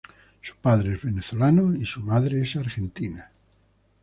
Su padre es venezolano y su madre es argentina.